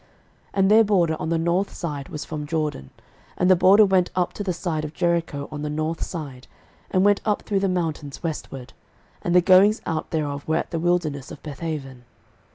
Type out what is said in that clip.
06:018:012 And their border on the north side was from Jordan; and the border went up to the side of Jericho on the north side, and went up through the mountains westward; and the goings out thereof were at the wilderness of Bethaven.